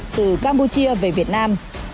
từ campuchia về việt nam